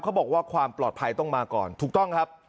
เขาบอกว่าความปลอดภัยต้องมาก่อนถูกต้องครับ